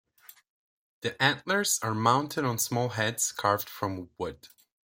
The antlers are mounted on small heads carved from wood.